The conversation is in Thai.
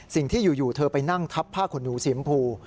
สิ่งที่อยู่เธอไปนั่งทับผ้าขนหนูสีชมพู